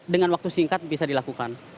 dengan waktu singkat bisa dilakukan